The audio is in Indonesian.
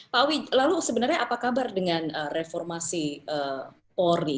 pak wi lalu sebenarnya apa kabar dengan reformasi pori